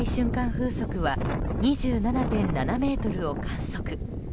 風速は２７．７メートルを観測。